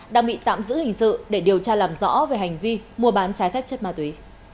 đang bị tạm giữ hình sự để điều tra làm rõ về hành vi mua bán trái phép chất ma túy